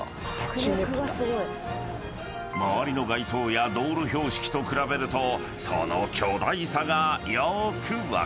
［周りの街灯や道路標識と比べるとその巨大さがよーく分かる］